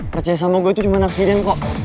percaya sama gue itu cuma aksiden kok